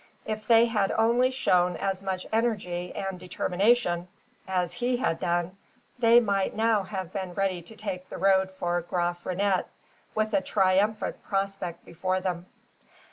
If they had only shown as much energy and determination as he had done, they might now have been ready to take the road for Graaf Reinet, with a triumphant prospect before them.